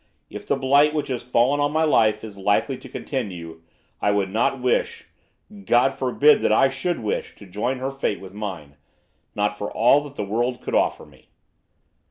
If the blight which has fallen on my life is likely to continue, I would not wish, God forbid that I should wish to join her fate with mine, not for all that the world could offer me.